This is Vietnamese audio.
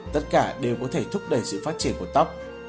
tất cả đều có thể thúc đẩy sự phát triển của tóc